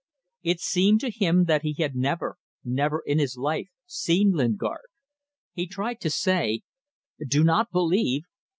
It seemed to him that he had never, never in his life, seen Lingard. He tried to say "Do not believe